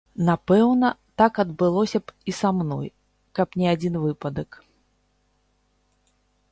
Напэўна, так адбылося б і са мной, каб не адзін выпадак.